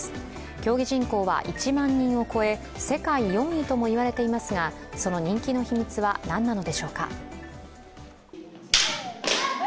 競技人口は１万人を超え世界４位ともいわれていますがその人気の秘密は何なのでしょうか。